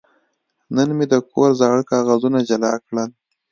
نن مې د کور زاړه کاغذونه جلا کړل.